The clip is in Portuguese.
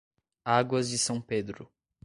Águas de São Pedro